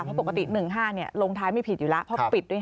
เพราะปกติ๑๕ลงท้ายไม่ผิดอยู่แล้วเพราะปิดด้วยนะ